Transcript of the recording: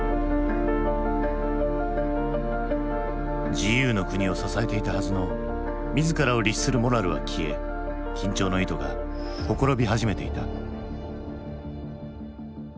自由の国を支えていたはずの自らを律するモラルは消え緊張の糸が綻び始めていた。